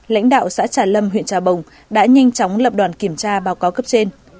lãnh đạo xã trà lâm huyện trà bồng đã nhanh chóng lập đoàn kiểm tra báo cáo cấp trên